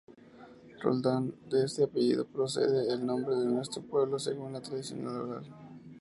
Roldán, de este apellido procede el nombre de nuestro pueblo según la tradición oral.